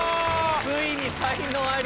ついに才能アリ。